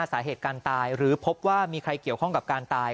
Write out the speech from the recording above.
สาเหตุการตายหรือพบว่ามีใครเกี่ยวข้องกับการตาย